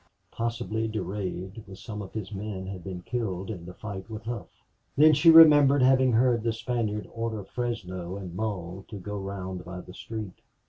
Possibly Durade, with some of his men, had been killed in the fight with Hough. Then she remembered having heard the Spaniard order Fresno and Mull to go round by the street.